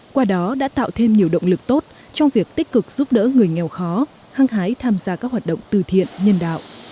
qua đó đã tạo thêm nhiều động lực tốt trong việc tích cực giúp đỡ người nghèo khó khăn hăng hái tham gia các hoạt động từ thiện nhân đạo